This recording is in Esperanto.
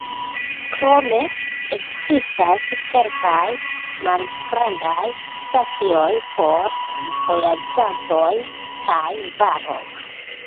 Krome ekzistas kelkaj malgrandaj stacioj por vojaĝantoj kaj varoj.